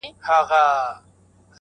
مطلق غلطه خبره ده